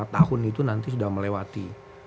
lima tahun itu nanti sudah melewati